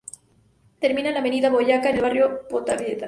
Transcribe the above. Termina en la avenida Boyacá en el barrio Pontevedra.